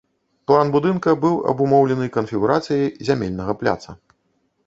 План будынка быў абумоўлены канфігурацыяй зямельнага пляца.